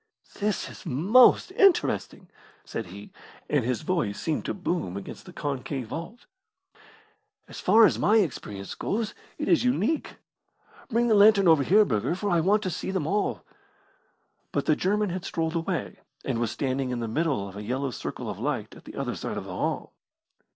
"This is most interesting," said he, and his voice seemed to boom against the concave vault. "As far as my experience goes, it is unique. Bring the lantern over, Burger, for I want to see them all." But the German had strolled away, and was standing in the middle of a yellow circle of light at the other side of the hall.